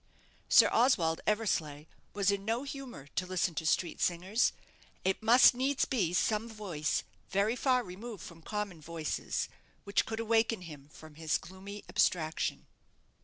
Sir Oswald Eversleigh was in no humour to listen to street singers. It must needs be some voice very far removed from common voices which could awaken him from his gloomy abstraction.